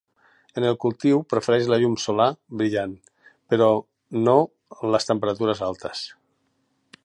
En el cultiu prefereix la llum solar brillant, però no les temperatures altes.